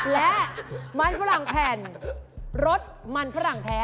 และมันฝรั่งแผ่นรสมันฝรั่งแท้